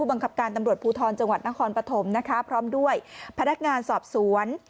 บังคับการตำรวจภูทรจังหวัดนครปฐมนะคะพร้อมด้วยพนักงานสอบสวน